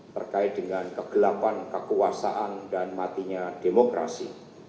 terkait dengan kegelapan kekuasaan dan matinya demokrasi